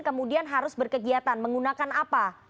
kemudian harus berkegiatan menggunakan apa